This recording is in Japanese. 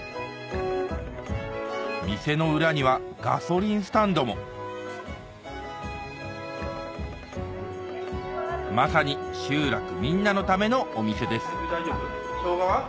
店の裏にはガソリンスタンドもまさに集落みんなのためのお店です